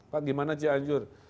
pak gimana cianjur